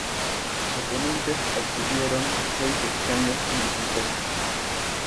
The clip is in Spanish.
Sus oponentes obtuvieron seis escaños en el consejo.